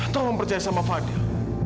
tolong percaya sama fadil